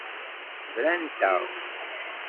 Brant-aɣ.